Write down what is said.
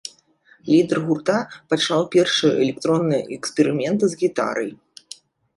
Лідар гурта пачаў першыя электронныя эксперыменты з гітарай.